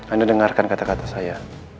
anda dengarkan kata kata saya